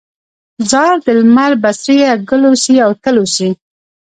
ځار د لمر بڅريه، ګل اوسې او تل اوسې